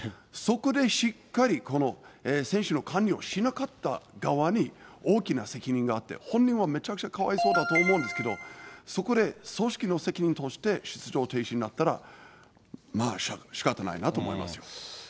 そこでしっかり選手の管理をしなかった側に大きな責任があって、本人はめちゃくちゃかわいそうだと思うんですけど、そこで組織の責任として出場停止になったら、まあ、しかたないなと思いますよ。